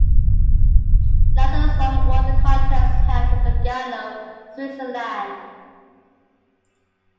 Neither song won the Contest, held in Lugano, Switzerland.